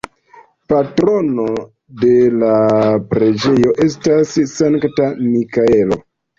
Patrono de la preĝejo estas Sankta Mikaelo.